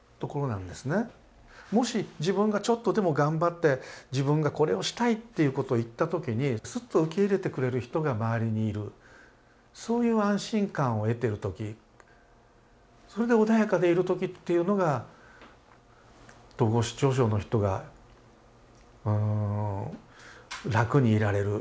もし自分がちょっとでも頑張って自分が「これをしたい」っていうことを言った時にすっと受け入れてくれる人が周りにいるそういう安心感を得てる時それで穏やかでいる時っていうのが統合失調症の人が楽にいられるよくなってる時じゃないかと思いますね。